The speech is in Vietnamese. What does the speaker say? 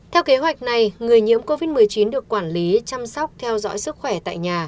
theo kế hoạch này người nhiễm covid một mươi chín được quản lý chăm sóc theo dõi sức khỏe tại nhà